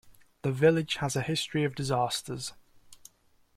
The village has a history of disasters.